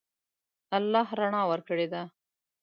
الله رڼا ورکړې ده.